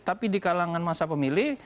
tapi di kalangan masa pemilih